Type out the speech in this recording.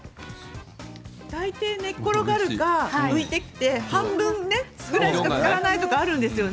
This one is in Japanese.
大抵寝っ転がるか、浮いてきて、半分ね、ぐらいしかつからないとかあるんですよね。